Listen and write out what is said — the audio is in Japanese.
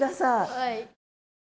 はい。